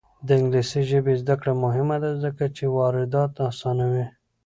د انګلیسي ژبې زده کړه مهمه ده ځکه چې واردات اسانوي.